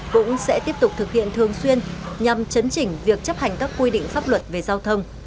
cũng sẽ tiếp tục thực hiện thường xuyên nhằm chấn chỉnh việc chấp hành các quy định pháp luật về giao thông